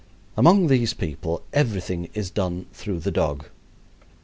Among these people everything is done through the dog.